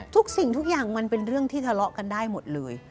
สิ่งทุกอย่างมันเป็นเรื่องที่ทะเลาะกันได้หมดเลย